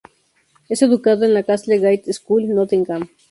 Es educado en la "Castle Gate School", Nottingham.